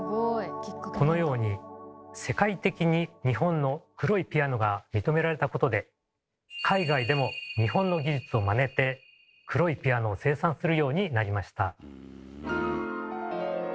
このように世界的に日本の黒いピアノが認められたことで海外でも日本の技術をまねて黒いピアノを生産するようになりました。